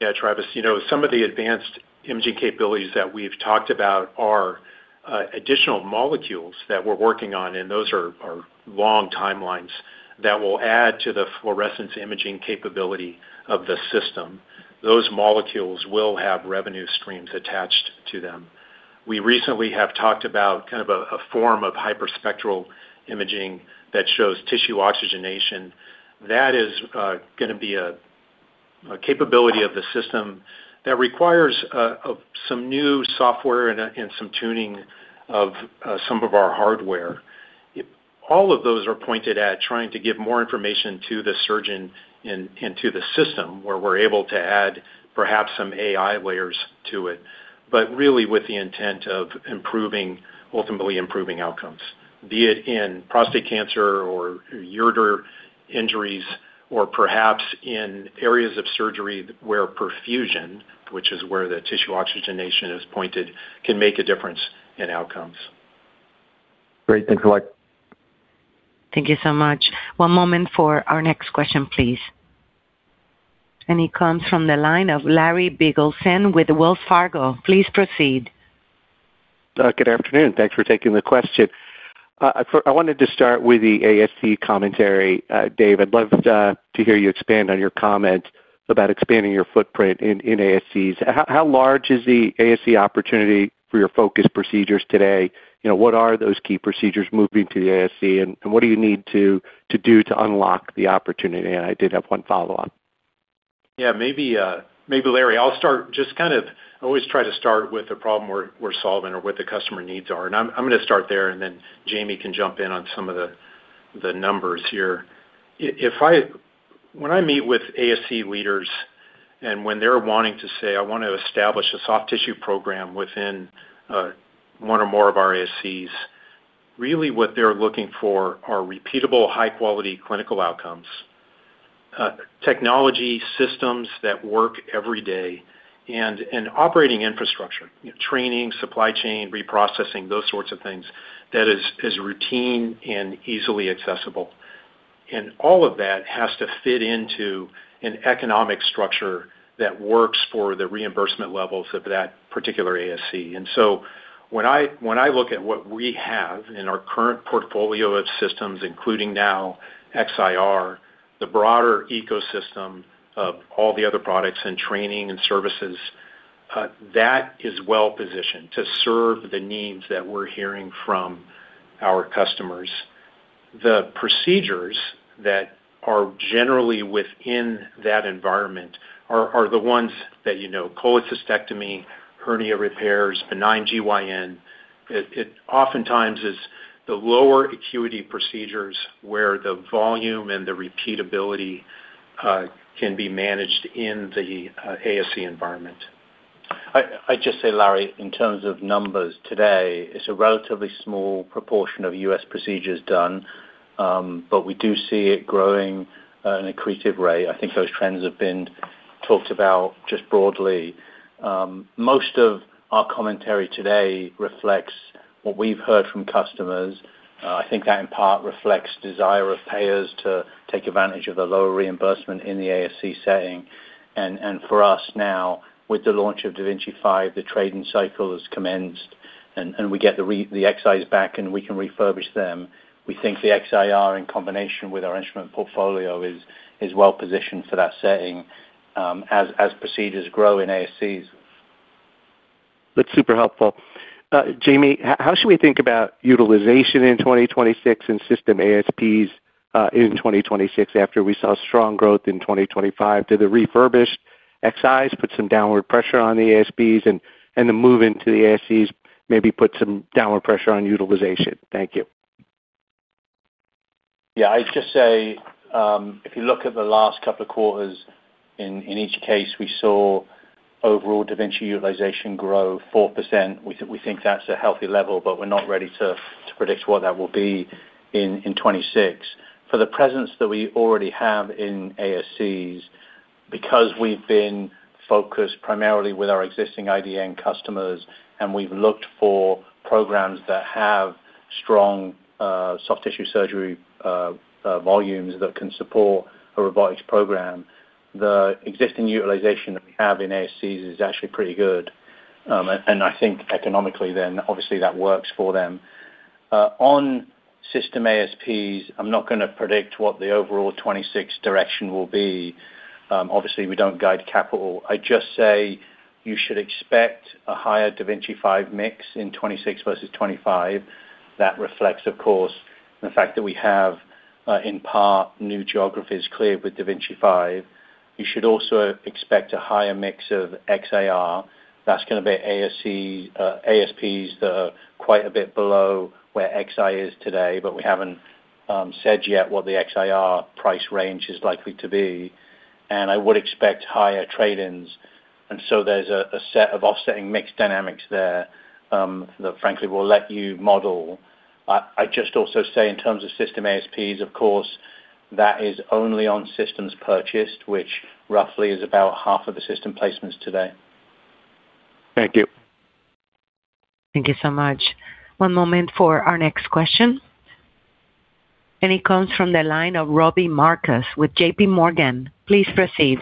Yeah, Travis, some of the advanced imaging capabilities that we've talked about are additional molecules that we're working on, and those are long timelines that will add to the fluorescence imaging capability of the system. Those molecules will have revenue streams attached to them. We recently have talked about kind of a form of hyperspectral imaging that shows tissue oxygenation. That is going to be a capability of the system that requires some new software and some tuning of some of our hardware. All of those are pointed at trying to give more information to the surgeon and to the system where we're able to add perhaps some AI layers to it, but really with the intent of ultimately improving outcomes, be it in prostate cancer or ureter injuries or perhaps in areas of surgery where perfusion, which is where the tissue oxygenation is pointed, can make a difference in outcomes. Great. Thanks a lot. Thank you so much. One moment for our next question, please. And he comes from the line of Larry Biegelsen with Wells Fargo. Please proceed. Good afternoon. Thanks for taking the question. I wanted to start with the ASC commentary, Dave. I'd love to hear you expand on your comment about expanding your footprint in ASCs. How large is the ASC opportunity for your focus procedures today? What are those key procedures moving to the ASC, and what do you need to do to unlock the opportunity? And I did have one follow-up. Yeah, maybe Larry, I'll start just kind of always try to start with the problem we're solving or what the customer needs are. And I'm going to start there, and then Jamie can jump in on some of the numbers here. When I meet with ASC leaders and when they're wanting to say, "I want to establish a soft tissue program within one or more of our ASCs," really what they're looking for are repeatable high-quality clinical outcomes, technology systems that work every day, and operating infrastructure, training, supply chain, reprocessing, those sorts of things that is routine and easily accessible. And all of that has to fit into an economic structure that works for the reimbursement levels of that particular ASC. And so when I look at what we have in our current portfolio of systems, including now XIR, the broader ecosystem of all the other products and training and services, that is well-positioned to serve the needs that we're hearing from our customers. The procedures that are generally within that environment are the ones that you know: cholecystectomy, hernia repairs, benign GYN. It oftentimes is the lower acuity procedures where the volume and the repeatability can be managed in the ASC environment. I'd just say, Larry, in terms of numbers today, it's a relatively small proportion of U.S. procedures done, but we do see it growing at an accretive rate. I think those trends have been talked about just broadly. Most of our commentary today reflects what we've heard from customers. I think that in part reflects desire of payers to take advantage of the lower reimbursement in the ASC setting. For us now, with the launch of da Vinci 5, the trade-in cycle has commenced, and we get the Xis back, and we can refurbish them. We think the XIR in combination with our instrument portfolio is well-positioned for that setting as procedures grow in ASCs. That's super helpful. Jamie, how should we think about utilization in 2026 and system ASPs in 2026 after we saw strong growth in 2025? Did the refurbished Xis put some downward pressure on the ASPs, and the move into the ASCs maybe put some downward pressure on utilization? Thank you. Yeah, I'd just say if you look at the last couple of quarters, in each case, we saw overall da Vinci utilization grow 4%. We think that's a healthy level, but we're not ready to predict what that will be in 2026. For the presence that we already have in ASCs, because we've been focused primarily with our existing IDN customers and we've looked for programs that have strong soft tissue surgery volumes that can support a robotics program, the existing utilization that we have in ASCs is actually pretty good, and I think economically then, obviously, that works for them. On system ASPs, I'm not going to predict what the overall 2026 direction will be. Obviously, we don't guide capital. I'd just say you should expect a higher da Vinci 5 mix in 2026 versus 2025. That reflects, of course, the fact that we have in part new geographies cleared with da Vinci 5. You should also expect a higher mix of XIR. That's going to be ASPs that are quite a bit below where XI is today, but we haven't said yet what the XIR price range is likely to be. And I would expect higher trade-ins. And so there's a set of offsetting mix dynamics there that, frankly, we'll let you model. I'd just also say in terms of system ASPs, of course, that is only on systems purchased, which roughly is about half of the system placements today. Thank you. Thank you so much. One moment for our next question. And he comes from the line of Robbie Marcus with JPMorgan. Please proceed.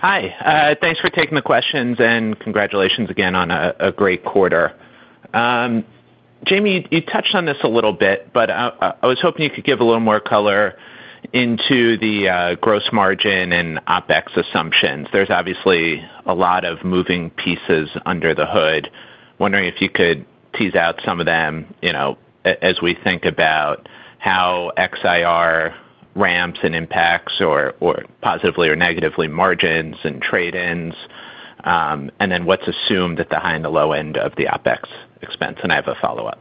Hi. Thanks for taking the questions and congratulations again on a great quarter. Jamie, you touched on this a little bit, but I was hoping you could give a little more color into the gross margin and OpEx assumptions. There's obviously a lot of moving pieces under the hood. Wondering if you could tease out some of them as we think about how da Vinci XIR ramps and impacts or positively or negatively margins and trade-ins. And then what's assumed at the high and the low end of the OpEx expense? And I have a follow-up.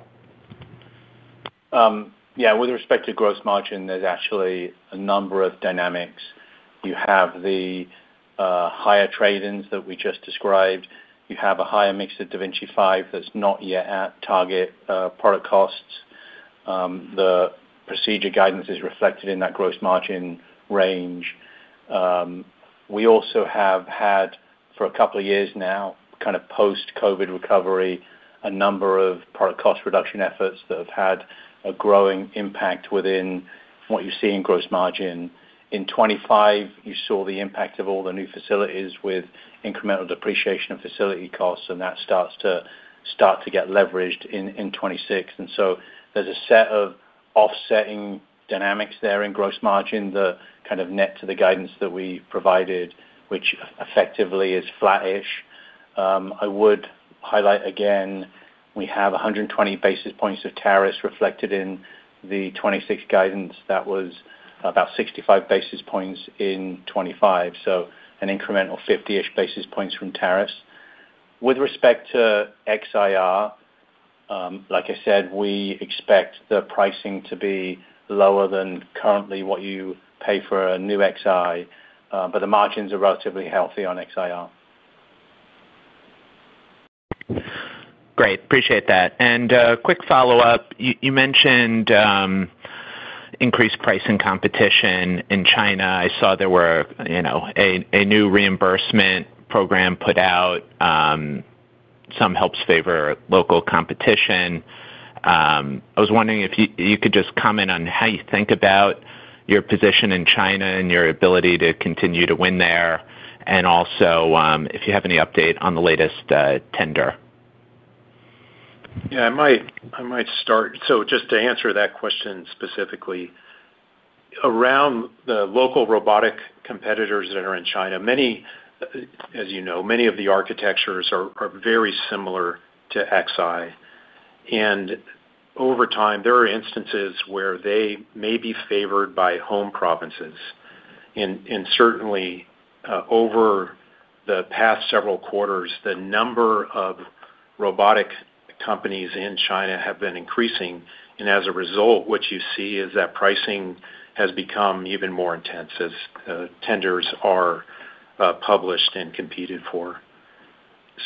Yeah, with respect to gross margin, there's actually a number of dynamics. You have the higher trade-ins that we just described. You have a higher mix of da Vinci 5 that's not yet at target product costs. The procedure guidance is reflected in that gross margin range. We also have had, for a couple of years now, kind of post-COVID recovery, a number of product cost reduction efforts that have had a growing impact within what you see in gross margin. In 2025, you saw the impact of all the new facilities with incremental depreciation of facility costs, and that starts to get leveraged in 2026. And so there's a set of offsetting dynamics there in gross margin that kind of net to the guidance that we provided, which effectively is flattish. I would highlight again, we have 120 basis points of tariffs reflected in the 2026 guidance. That was about 65 basis points in 2025, so an incremental 50-ish basis points from tariffs. With respect to XIR, like I said, we expect the pricing to be lower than currently what you pay for a new XI, but the margins are relatively healthy on XIR. Great. Appreciate that. And quick follow-up. You mentioned increased price and competition in China. I saw there was a new reimbursement program put out. Some helps favor local competition. I was wondering if you could just comment on how you think about your position in China and your ability to continue to win there, and also if you have any update on the latest tender. Yeah, I might start. So just to answer that question specifically, around the local robotic competitors that are in China, as you know, many of the architectures are very similar to Xi. And over time, there are instances where they may be favored by home provinces. And certainly, over the past several quarters, the number of robotic companies in China have been increasing. And as a result, what you see is that pricing has become even more intense as tenders are published and competed for.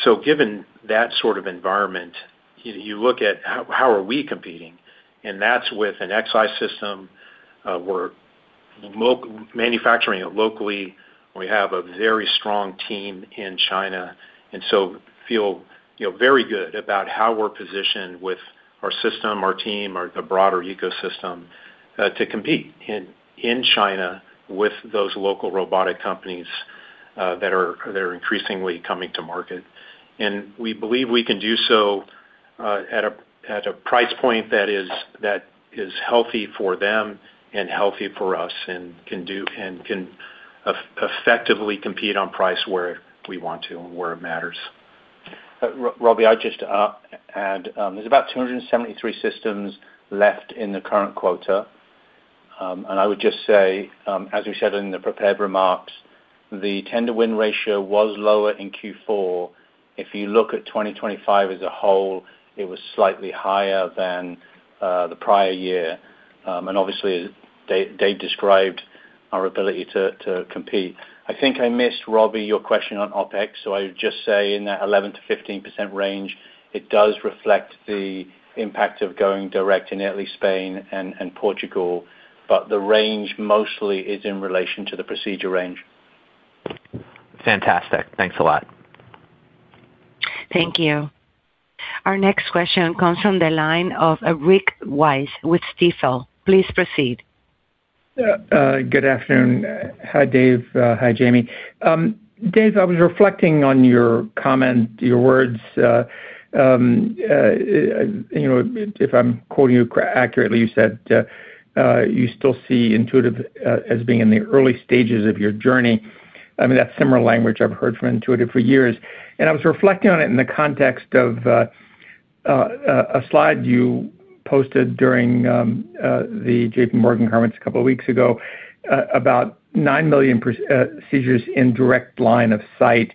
So given that sort of environment, you look at how are we competing. And that's with a Xi system. We're manufacturing it locally. We have a very strong team in China, and so feel very good about how we're positioned with our system, our team, or the broader ecosystem to compete in China with those local robotic companies that are increasingly coming to market, and we believe we can do so at a price point that is healthy for them and healthy for us and can effectively compete on price where we want to and where it matters. Robbie, I'll just add, there's about 273 systems left in the current quota, and I would just say, as we said in the prepared remarks, the tender win ratio was lower in Q4. If you look at 2025 as a whole, it was slightly higher than the prior year, and obviously, as Dave described, our ability to compete. I think I missed, Robbie, your question on OpEx. So I would just say in that 11%-15% range, it does reflect the impact of going direct in Italy, Spain, and Portugal, but the range mostly is in relation to the procedure range. Fantastic. Thanks a lot. Thank you. Our next question comes from the line of Rick Wise with Stifel. Please proceed. Good afternoon. Hi, Dave. Hi, Jamie. Dave, I was reflecting on your comment, your words. If I'm quoting you accurately, you said you still see Intuitive as being in the early stages of your journey. I mean, that's similar language I've heard from Intuitive for years. And I was reflecting on it in the context of a slide you posted during the JPMorgan conference a couple of weeks ago about nine million procedures in direct line of sight.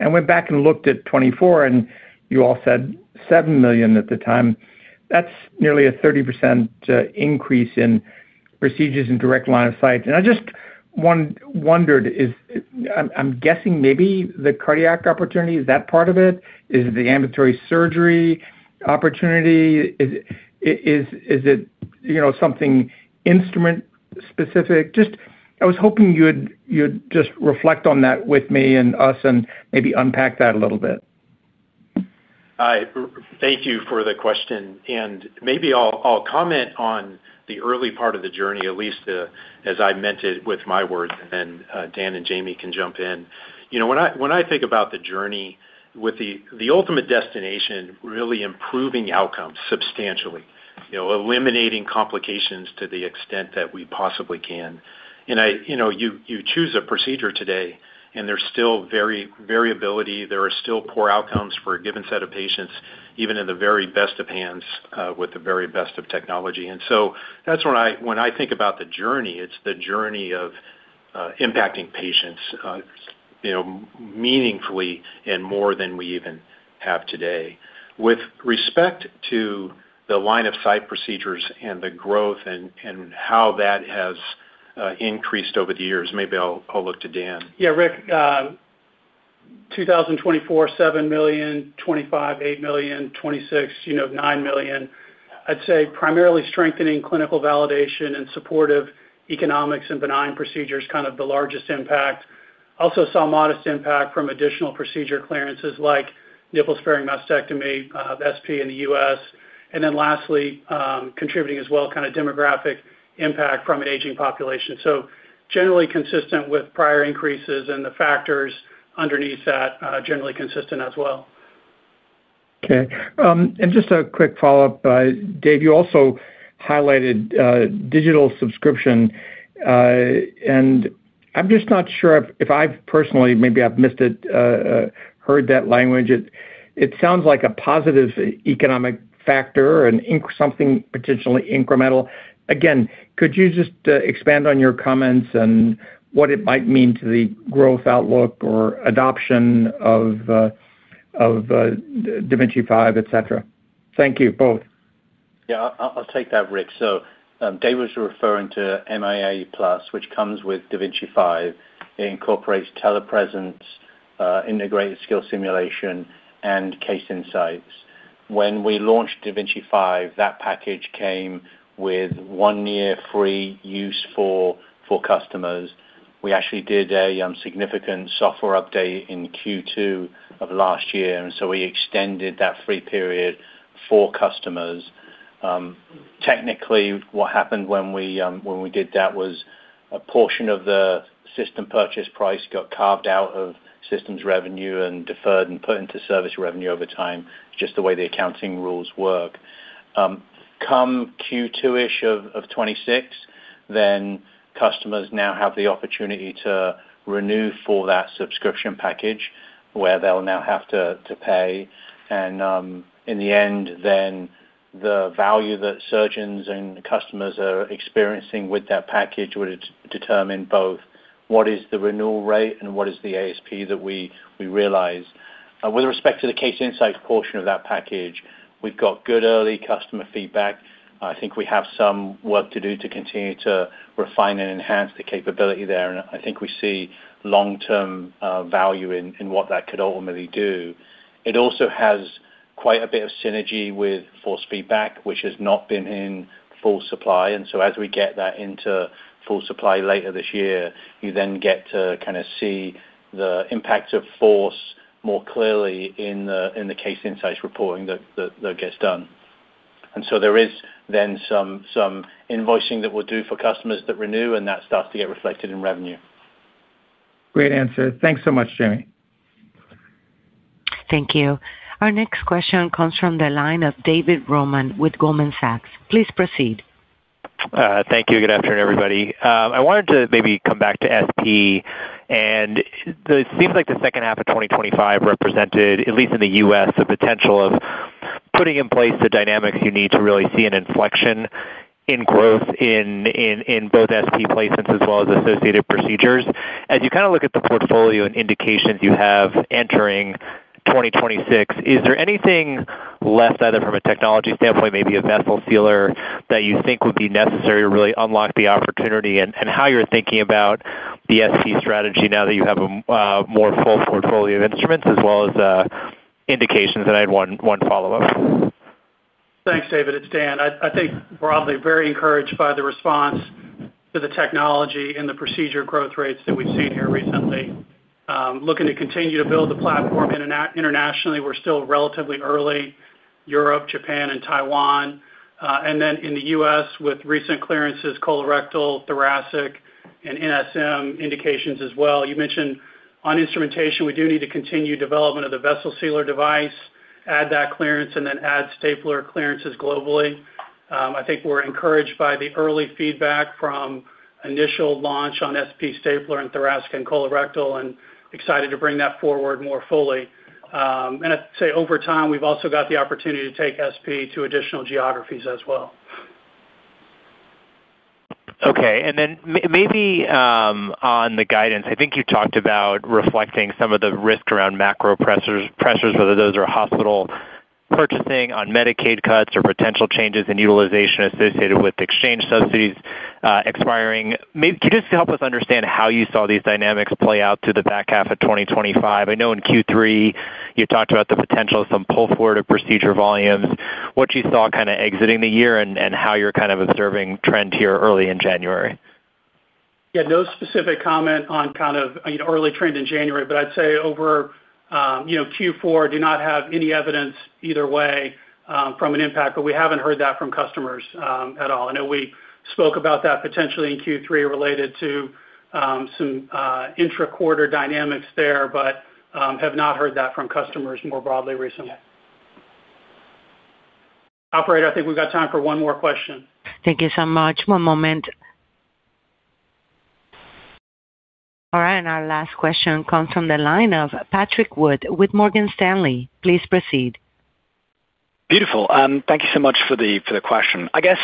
I went back and looked at 2024, and you all said seven million at the time. That's nearly a 30% increase in procedures in direct line of sight. I just wondered, I'm guessing maybe the cardiac opportunity, is that part of it? Is it the ambulatory surgery opportunity? Is it something instrument-specific? Just I was hoping you'd just reflect on that with me and us and maybe unpack that a little bit. Hi. Thank you for the question. Maybe I'll comment on the early part of the journey, at least as I meant it with my words, and then Dan and Jamie can jump in. When I think about the journey with the ultimate destination, really improving outcomes substantially, eliminating complications to the extent that we possibly can. You choose a procedure today, and there's still variability. There are still poor outcomes for a given set of patients, even in the very best of hands with the very best of technology, and so that's when I think about the journey. It's the journey of impacting patients meaningfully and more than we even have today. With respect to the line of sight procedures and the growth and how that has increased over the years, maybe I'll look to Dan. Yeah, Rick, 2024, seven million, 2025, eight million, 2026, nine million. I'd say primarily strengthening clinical validation and supportive economics and benign procedures, kind of the largest impact. Also saw modest impact from additional procedure clearances like nipple-sparing mastectomy, SP in the U.S., and then lastly, contributing as well, kind of demographic impact from an aging population. So generally consistent with prior increases and the factors underneath that, generally consistent as well. Okay, and just a quick follow-up. Dave, you also highlighted digital subscription. And I'm just not sure if I've personally, maybe I've missed it, heard that language. It sounds like a positive economic factor and something potentially incremental. Again, could you just expand on your comments and what it might mean to the growth outlook or adoption of da Vinci 5, etc.? Thank you both. Yeah, I'll take that, Rick. So Dave was referring to My Intuitive Plus, which comes with da Vinci 5. It incorporates telepresence, integrated skill simulation, and Case Insights. When we launched da Vinci 5, that package came with one-year free use for customers. We actually did a significant software update in Q2 of last year. And so we extended that free period for customers. Technically, what happened when we did that was a portion of the system purchase price got carved out of systems revenue and deferred and put into service revenue over time. It's just the way the accounting rules work. Come Q2-ish of 2026, then customers now have the opportunity to renew for that subscription package where they'll now have to pay. And in the end, then the value that surgeons and customers are experiencing with that package would determine both what is the renewal rate and what is the ASP that we realize. With respect to the Case Insights portion of that package, we've got good early customer feedback. I think we have some work to do to continue to refine and enhance the capability there. And I think we see long-term value in what that could ultimately do. It also has quite a bit of synergy with force feedback, which has not been in full supply. And so as we get that into full supply later this year, you then get to kind of see the impact of force more clearly in the Case Insights reporting that gets done. And so there is then some invoicing that we'll do for customers that renew, and that starts to get reflected in revenue. Great answer. Thanks so much, Jamie. Thank you. Our next question comes from the line of David Roman with Goldman Sachs. Please proceed. Thank you. Good afternoon, everybody. I wanted to maybe come back to SP. And it seems like the second half of 2025 represented, at least in the U.S., the potential of putting in place the dynamics you need to really see an inflection in growth in both SP placements as well as associated procedures. As you kind of look at the portfolio and indications you have entering 2026, is there anything left either from a technology standpoint, maybe a vessel sealer that you think would be necessary to really unlock the opportunity and how you're thinking about the SP strategy now that you have a more full portfolio of instruments as well as indications? And I had one follow-up. Thanks, David. It's Dan. I think broadly, very encouraged by the response to the technology and the procedure growth rates that we've seen here recently. Looking to continue to build the platform internationally. We're still relatively early: Europe, Japan, and Taiwan. And then in the U.S., with recent clearances, colorectal, thoracic, and NSM indications as well. You mentioned on instrumentation, we do need to continue development of the vessel sealer device, add that clearance, and then add stapler clearances globally. I think we're encouraged by the early feedback from initial launch on SP stapler and thoracic and colorectal and excited to bring that forward more fully. And I'd say over time, we've also got the opportunity to take SP to additional geographies as well. Okay. And then maybe on the guidance, I think you talked about reflecting some of the risk around macro pressures, whether those are hospital purchasing on Medicaid cuts or potential changes in utilization associated with exchange subsidies expiring. Could you just help us understand how you saw these dynamics play out through the back half of 2025? I know in Q3, you talked about the potential of some pull forward of procedure volumes. What you saw kind of exiting the year and how you're kind of observing trend here early in January? Yeah, no specific comment on kind of early trend in January, but I'd say over Q4, do not have any evidence either way from an impact, but we haven't heard that from customers at all. I know we spoke about that potentially in Q3 related to some intra-quarter dynamics there, but have not heard that from customers more broadly recently. Operator, I think we've got time for one more question. Thank you so much. One moment. All right. And our last question comes from the line of Patrick Wood with Morgan Stanley. Please proceed. Beautiful. Thank you so much for the question. I guess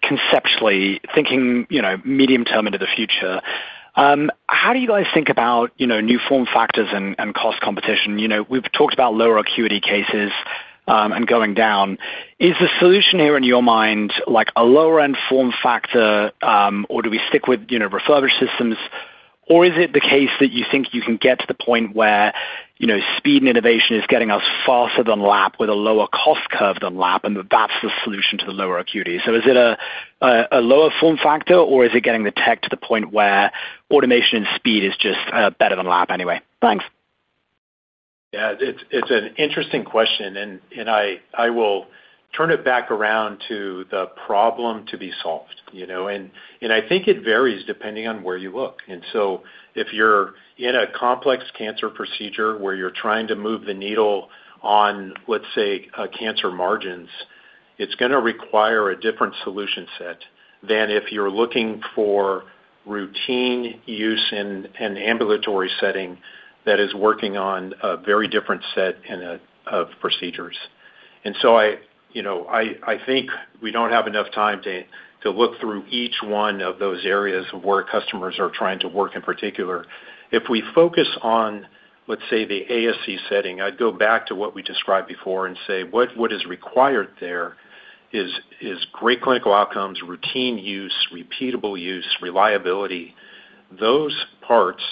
conceptually, thinking medium term into the future, how do you guys think about new form factors and cost competition? We've talked about lower acuity cases and going down. Is the solution here in your mind a lower-end form factor, or do we stick with refurbished systems? Or is it the case that you think you can get to the point where speed and innovation is getting us faster than lap with a lower cost curve than lap, and that's the solution to the lower acuity? So is it a lower form factor, or is it getting the tech to the point where automation and speed is just better than lap anyway? Thanks. Yeah, it's an interesting question, and I will turn it back around to the problem to be solved. And I think it varies depending on where you look. And so if you're in a complex cancer procedure where you're trying to move the needle on, let's say, cancer margins, it's going to require a different solution set than if you're looking for routine use in an ambulatory setting that is working on a very different set of procedures. I think we don't have enough time to look through each one of those areas of where customers are trying to work in particular. If we focus on, let's say, the ASC setting, I'd go back to what we described before and say what is required there is great clinical outcomes, routine use, repeatable use, reliability. Those parts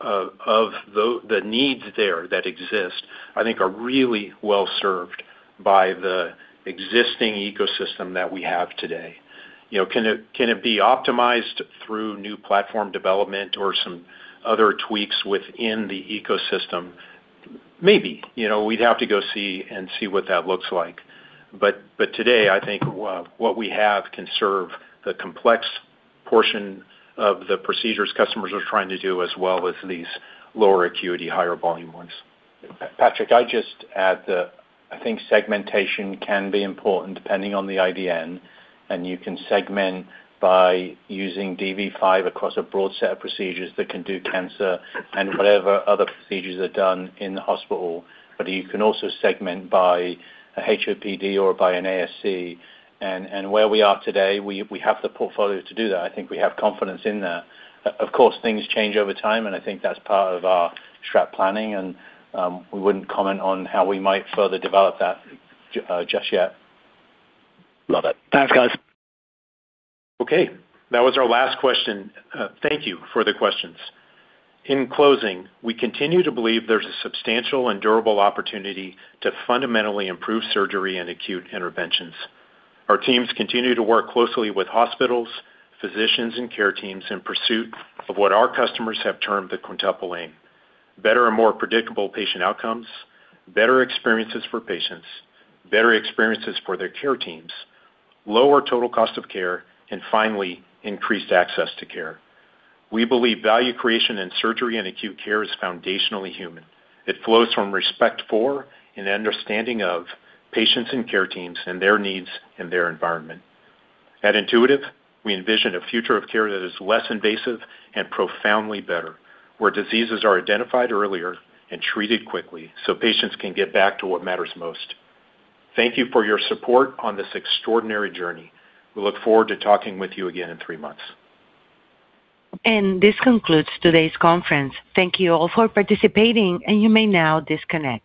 of the needs there that exist, I think, are really well served by the existing ecosystem that we have today. Can it be optimized through new platform development or some other tweaks within the ecosystem? Maybe. We'd have to go see what that looks like. But today, I think what we have can serve the complex portion of the procedures customers are trying to do as well as these lower acuity, higher volume ones. Patrick, I'd just add that I think segmentation can be important depending on the IDN, and you can segment by using DV5 across a broad set of procedures that can do cancer and whatever other procedures are done in the hospital. But you can also segment by a HOPD or by an ASC. And where we are today, we have the portfolio to do that. I think we have confidence in that. Of course, things change over time, and I think that's part of our strat planning, and we wouldn't comment on how we might further develop that just yet. Love it. Thanks, guys. Okay. That was our last question. Thank you for the questions. In closing, we continue to believe there's a substantial and durable opportunity to fundamentally improve surgery and acute interventions. Our teams continue to work closely with hospitals, physicians, and care teams in pursuit of what our customers have termed the Quintuple Aim: better and more predictable patient outcomes, better experiences for patients, better experiences for their care teams, lower total cost of care, and finally, increased access to care. We believe value creation in surgery and acute care is foundationally human. It flows from respect for and understanding of patients and care teams and their needs and their environment. At Intuitive, we envision a future of care that is less invasive and profoundly better, where diseases are identified earlier and treated quickly so patients can get back to what matters most. Thank you for your support on this extraordinary journey. We look forward to talking with you again in three months. And this concludes today's conference. Thank you all for participating, and you may now disconnect.